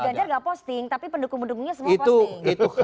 mas ganjar tidak posting tapi pendukung pendukungnya